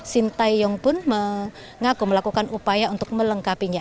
sintayong pun mengaku melakukan upaya untuk melengkapinya